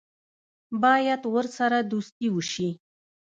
باید ورسره دوستي وشي.